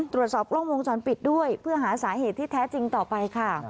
ตรวจสอบกล้องวงจรปิดด้วยเพื่อหาสาเหตุที่แท้จริงต่อไปค่ะ